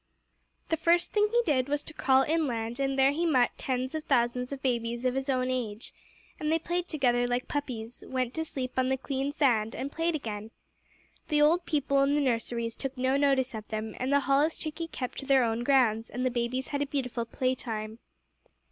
The first thing he did was to crawl inland, and there he met tens of thousands of babies of his own age, and they played together like puppies, went to sleep on the clean sand, and played again. The old people in the nurseries took no notice of them, and the holluschickie kept to their own grounds, and the babies had a beautiful playtime.